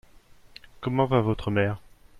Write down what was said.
Comment va votre mère ?